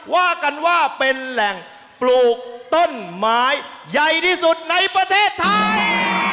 ว่ากันว่าเป็นแหล่งปลูกต้นไม้ใหญ่ที่สุดในประเทศไทย